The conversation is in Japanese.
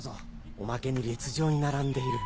おまけに列状に並んでいる。